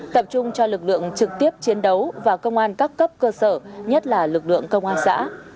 tập trung cho lực lượng trực tiếp chiến đấu và công an các cấp cơ sở nhất là lực lượng công an xã